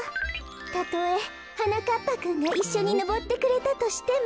たとえはなかっぱくんがいっしょにのぼってくれたとしても。